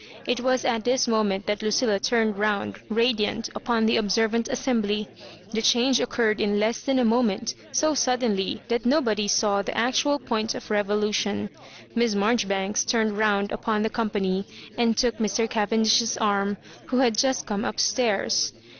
It was at this moment that Lucilla turned round radiant upon the observant assembly. ' The change occurred in less than a moment, so sud denly that nobody saw the actual point of revo lution. Miss Maijoribanks turned round upon the company and took Mr. Cavendish's arm, who had just come up stairs.